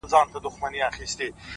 خدايه ښه نـری بـاران پرې وكړې نن.!